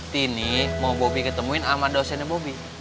tini mau bobby ketemuin sama dosennya bobi